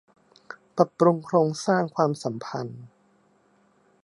ปรับปรุงโครงสร้างความสัมพันธ์